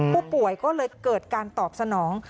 ผู้ป่วยก็เลยเกิดการตอบสนอง